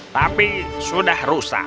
tapi sudah rusak